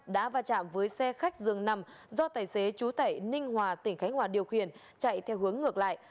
đã va chạm với xe khách dường nằm do tài xế chú tệ ninh hòa tỉnh khánh hòa điều khiển chạy theo hướng ngược lại